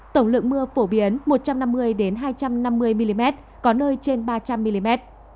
tổng lượng mưa phổ biến một trăm năm mươi hai trăm năm mươi mm có nơi trên ba trăm linh mm